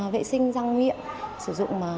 vệ sinh răng miệng sử dụng